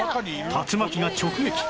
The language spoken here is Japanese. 竜巻が直撃